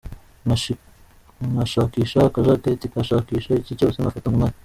Nkashakisha akajaketi, nkashakakisha iki cyose nkafata mu nkari.